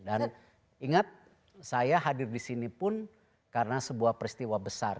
dan ingat saya hadir disini pun karena sebuah peristiwa besar